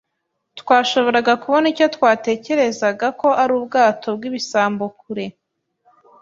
Twashoboraga kubona icyo twatekerezaga ko ari ubwato bwibisambo kure.